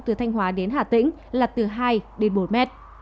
từ thanh hóa đến hà tĩnh là từ hai bốn m